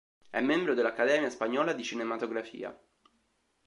È membro dell'Accademia spagnola di cinematografia.